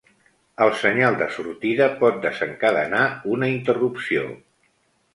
El senyal de sortida pot desencadenar una interrupció.